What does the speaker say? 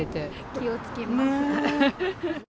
気をつけます。